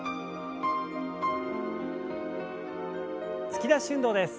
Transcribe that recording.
突き出し運動です。